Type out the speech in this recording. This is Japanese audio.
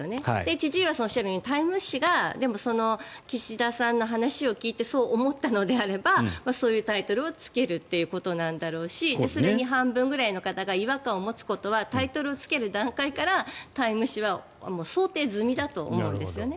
千々岩さんがおっしゃるように「タイム」誌が岸田さんの話を聞いてそう思ったのであればそういうタイトルをつけるということなんだろうしそれに半分くらいの方が違和感を持つということはタイトルをつける段階から「タイム」誌は想定済みだと思うんですね。